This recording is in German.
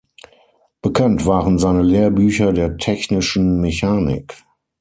Bekannt waren seine Lehrbücher der Technischen Mechanik.